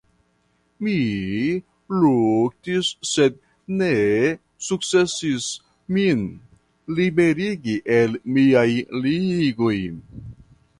Mi luktis sed ne sukcesis min liberigi el miaj ligoj.